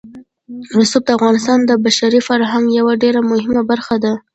رسوب د افغانستان د بشري فرهنګ یوه ډېره مهمه برخه ده.